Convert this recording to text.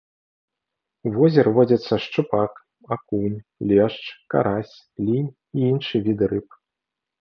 У возеры водзяцца шчупак, акунь, лешч, карась, лінь і іншыя віды рыб.